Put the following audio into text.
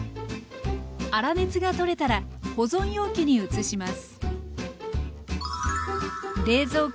粗熱が取れたら保存容器に移します。